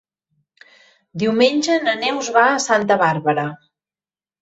Diumenge na Neus va a Santa Bàrbara.